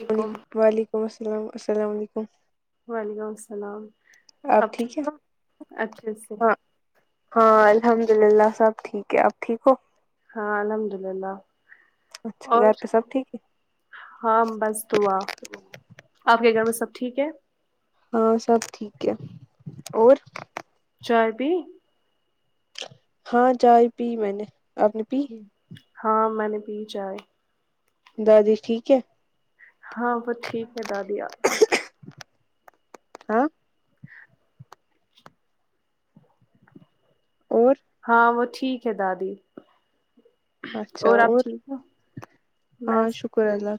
وعلیکم وعلکیم وعلیکم السلام السلام علیکم وعلیکم السلام آپ ٹھیک ہو اچھے سے ہاں ہاں الحمد للہ سب ٹھیک ہے آپ ٹھیک ہو ہاں الحمد للہ اچھا اور گھر پہ سب ٹھیک ہے ہاں بس دعا آپ کے گھر میں سب ٹھیک ہے ہاں سب ٹھیک ہے اور چائے پی ہاں چائے پی میں نے آپ نے پی ہاں میں نے پی چائ دادی ٹھیک ہے ہاں وہ ٹھیک ہے دادی ہاں اور ہاں وہ ٹھیک ہے دادی اور آپ ٹھیک ہیں بس کوئی الگ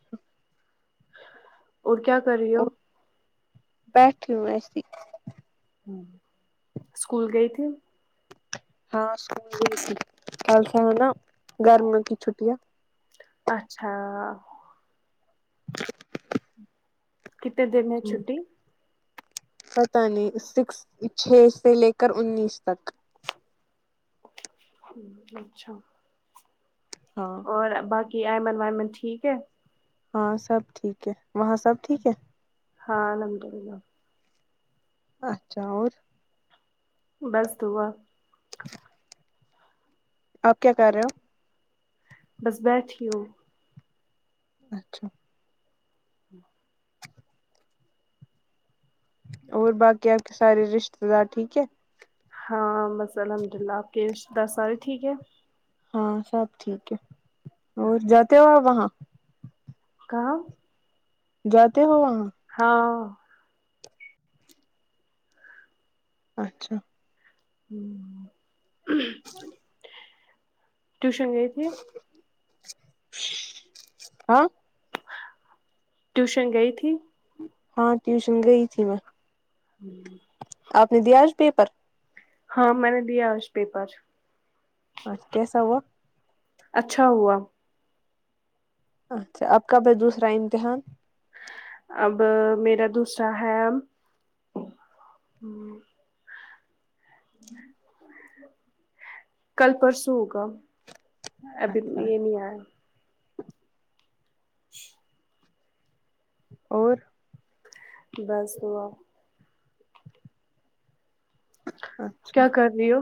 اور کیا کر رہی اور ہو بیٹھی ہوں ایسی ہ اسکول گئی تھی ہاں بالکل ایسا ہے نا گرم کی چھٹیاں اچھا کتنے دن ہے چھٹی پتہ نہیں سکس چھ سے لے کر انیس تک ہ اچھا ہاں اور باقی ایمن وائمن ٹھیک ہے ہاں سب ٹھیک ہے وہاں سب ٹھیک ہے ہاں الحمد للہ اچھا اور بس دعا آپ کیا کر رہے ہو بس بیٹھی ہو اچھا ہوں اور باقی آپ کے سارے رشتے دار ٹھیک ہے ہاں بس الحمد للہ آپ کے رشتیدار سارے ٹھیک ہے ہاں سب ٹھیک ہے اور جاتے ہو آپ وہاں کھا جاتے ہو وہاں ہاں اچھا ٹوشن گی ہاں ٹیوشن گئی تھی ہاں ٹیوشن گئی تھی میں ہوں آپ نے دیا آج پیپر ہاں میں نے دیا اس پیپر اچھ کیسا وہ اچھا ہوا اچھا اب کب ہے دوسرا امتحان اب میرا دوسرا ہے کل پرسوں ہوگا ابھی اچھا یہ نہیں آیا [inaudible] اور بس دعا ہاں کیا کر رہی ہو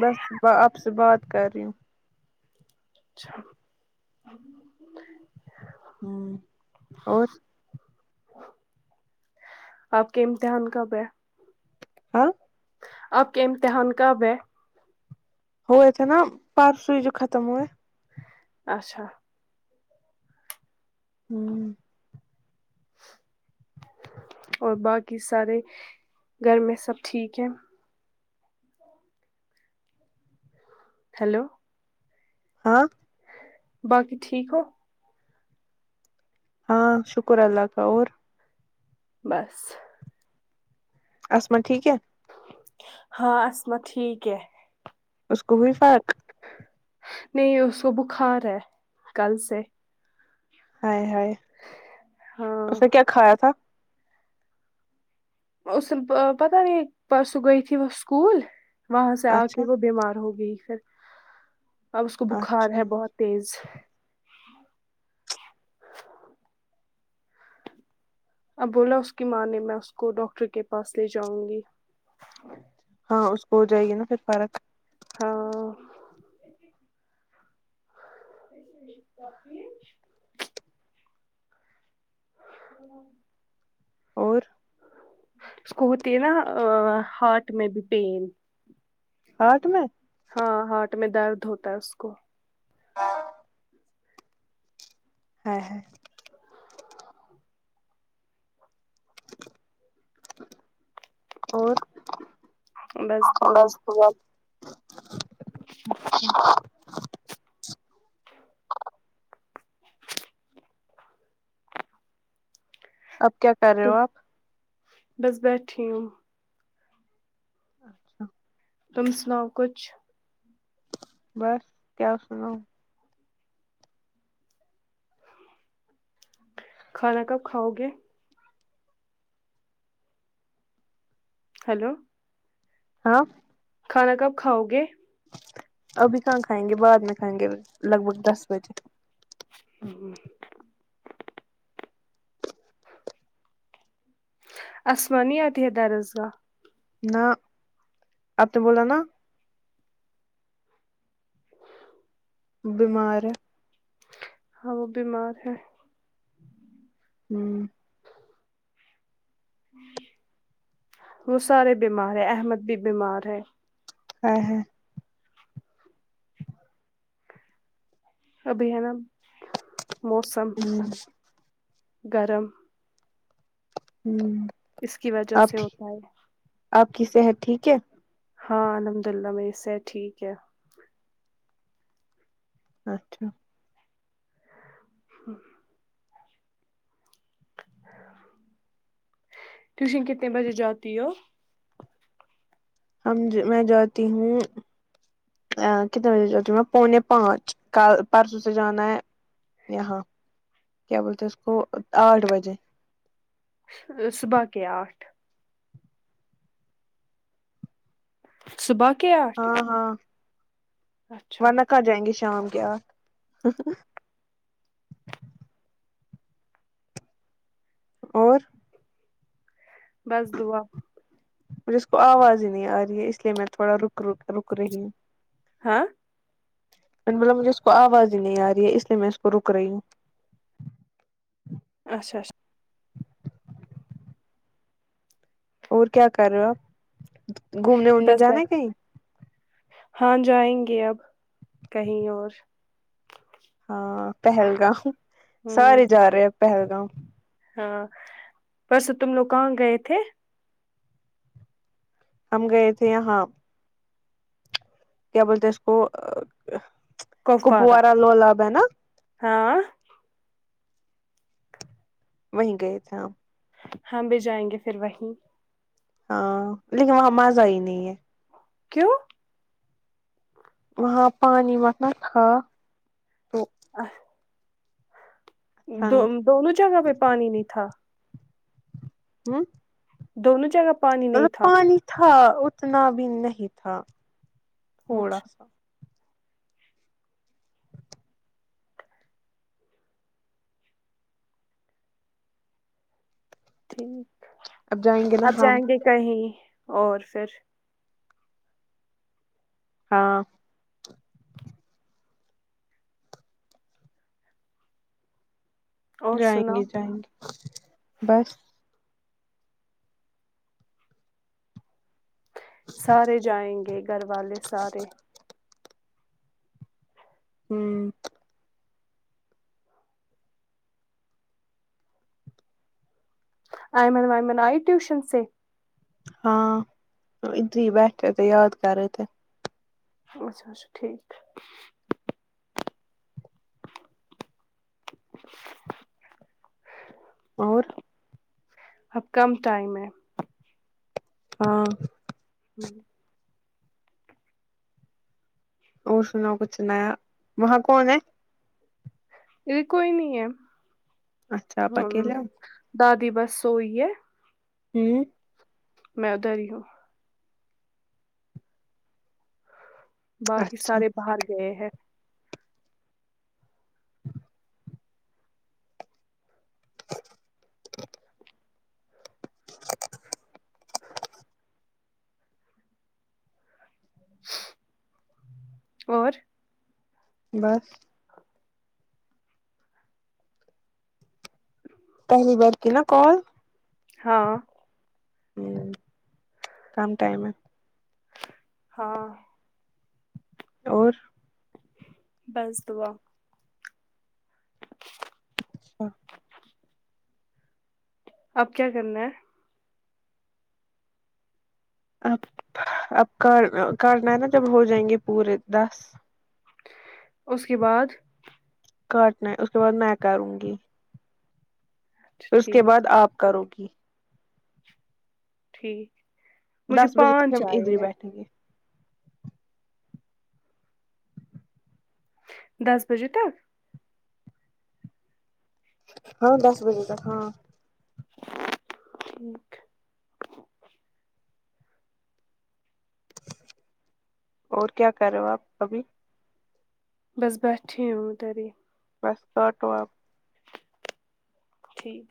بس آپ سے بات کر رہی ہوں اچھا ہوں اور آپ کے امتحان کب ہے ہاں آپ کے امتحان کب ہے ہوئے تھے نا پرسو ہی جو ختم ہوئے اچھا ہوں اور باقی سارے گھر میں سب ٹھیک ہے ہیلو ہاں باقی ٹھیک ہو ہاں شکر اللہ کا اور بس اسمہ ٹھیک ہے ہاں اسماء ٹھیک ہے اس کو ہوئی فرق نہیں اس سو بخار ہے کل سے ہائے ہائے ہاں اس نے کیا کھایا تھا اس پتہ نہیں پرسوں گئی تھی وہ اسکول وہاں سے آ اچھا کے وہ بیمار ہو گئی پھر اب اس کو بخار اچھا ہے بہت تیز اب بولا اس کی ماں نے میں اس کو ڈاکٹر کے پاس لے جاؤں گی ہاں اس کو ہو جائے گی نا پھر فرق ہاں [inaudible] ہ [inaudible] اور اس کو ہوتی ہے نا آ ہارٹ میں بھی پین ہارٹ میں ہاں ہارٹ میں درد ہوتا ہے اس کو [inaudible] ہائے ہائے اور بس دعا ہوا [inaudible] [inaudible] اب کیا کر رہے ہو آپ بس بیٹھی ہوں اچھا تم سناؤ کچھ بس کیا سناؤں کھانا کب کھاؤ گے ہلو ہاں کھانا کب کھاؤ گے ابھی کہاں کھائیں گے بعد میں کھائیں گے لگ بھگ دس بجے وں ہوں اسما نہیں اے تھے درسگاہ نہ اب تو بولا نا بیمار ہے ہم بیمار ہے ہوں وہ سارے بیمار ہے احمد بھی بیمار ہے اے ہاے ابھی ہے نہ موسم ہوں گرم ہوں اس کی وجہ آپ سے ٹھیک ہوتا ہے آپ کی صحت ٹھیک ہے ہاں الحمد اللہ میری صحت ٹھیک ہے اچھا ہوں ٹیوشن کتنے بجے جاتی ہو امم جی میں جاتی ہوں اں کتنے بجے جاتی ہوں میں پونے پانچ کل پرسوں سے جانا ہے یہاں کیا بولتے اس کو آٹھ بجے یہ صبح کے آٹھ صبح کے آٹھ ہاں ہاں اچھا ورنہ کہاں جائینگے شام کے آٹھ اور بس دعا مجھے اس کو آواز ہی نہیں آ رہی ہے اس لیے میں تھوڑا رک رک رک رہی ہاں میں نو بولا مجھے اس کو آواز ہی نہیں آ رہی ہے اس لیے میں اس کو رک رہی ہوں اچھا اچھا اور کیا کر رہے ہوگھومنے وومنے بس جانا ب ہے کہیں ہاں جائیں گے اب کہیں اور ہاں پہلگام ہوں سارے جا رہے ہیں پہلگام ہاں پرسوں تم لوگ کہاں گئے تھے ہم گئے تھے یہاں کیا بولتے اس کو کپوارہ کپوارا لالاب ہے نا ہاں وہیں گئے تھے ہم ہم بھی جائیں گے پھر وہیں ہاں لیکن وہاں مزہ ہی نہیں ہے کیوں وہاں پانی مطلب کہا ا ہ اچھا دو نہیں دونوں جگہ پہ پانی نہیں تھا ہوں دونوں جگہ پانی نہیں مطلب تھا پانی تھا اتنا بھی نہیں تھا تھوڑا اچھا سا ٹھیک اب جائیں گے نا اب ہم جائیں گے کہیں اور پھر ہاں اور جائیں سنا گے جائیں گے بس سارے جائیں گے گھر والے سارے ہوں آئمن وائمن آئی ٹیوشن سے ہاں ادھر ہی بیٹھے تھے یاد کرے تھے اچھا اچھا ٹھیک ہے [inaudible] اور اب کم ٹائم ہے ہاں ہوں اور سناو کچھ نیا وہاں کون ہے ادھر کوئی نہیں ہے اچھا آپ ہاں اکیلے ہو دادی بس سوئی ہے ہوں میں ادھر ہی ہوں باقی اچھا سارے باہر گئے ہیں [inaudible] [inaudible] اور بس پہلی بار کی نا کال ہاں ہوں کم ٹائم ہے ہاں اور بس دعا اچھا اب کیا کرنا ہے اب اب کر کرنا ہے نا جب ہو جائیں گے پورے دس اس کے بعد کاٹنا ہے اس کے بعد میں کروں گی اچھا اس کے بعد ٹھیک آپ کرو گی ٹھیک مجھے دس بجے تک پانچ ہم آئے ادھر ہی ہیں بیٹھیں گے دس بجے تک ہاں دس بجے تک ہاں ٹھیک اور کیا کر رہے ہو آپ ابھی بس بیٹھی ہو ادھر ہی بس کاٹو آپ ٹھیک